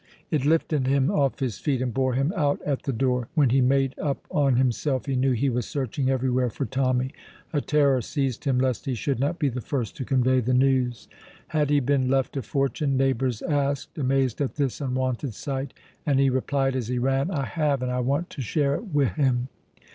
It lifted him off his feet and bore him out at the door. When he made up on himself he knew he was searching everywhere for Tommy. A terror seized him, lest he should not be the first to convey the news. Had he been left a fortune? neighbours asked, amazed at this unwonted sight; and he replied, as he ran, "I have, and I want to share it wi' him!"